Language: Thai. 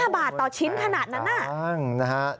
๕บาทต่อชิ้นขนาดนั้นน่ะนะฮะ